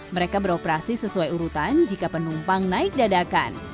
mereka beroperasi sesuai urutan jika penumpang naik dadakan